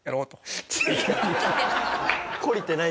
懲りてない。